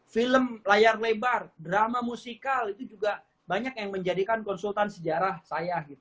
film layar lebar drama musikal itu juga banyak yang menjadikan konsultan sejarah saya